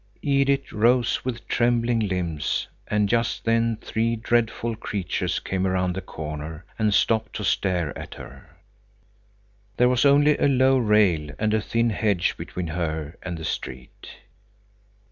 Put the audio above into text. Edith rose with trembling limbs, and just then three dreadful creatures came around the corner and stopped to stare at her. There was only a low rail and a thin hedge between her and the street.